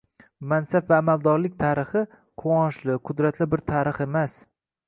Mansab va amaldorlik tarixi – quvonchli, qudratli bir tarix emas.